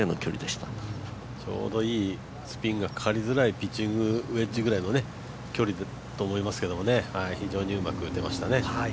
ちょうどいい、スピンがかかりにくいピッチングウェッジぐらいの距離だと思いますけど非常にうまく打てましたね。